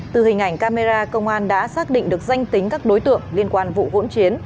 từ hình ảnh camera công an đã xác định được danh tính các đối tượng liên quan vụ hỗn chiến